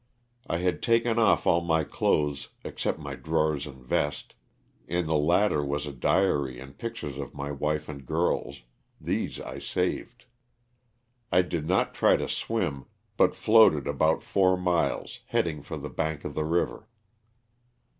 I had taken off all my clothes except my drawers and vest ; in the latter was a diary and pictures of my wife and girls; these I saved. I did not try to swim, but floated about four miles, heading for the bank of the river.